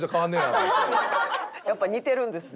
やっぱ似てるんですね。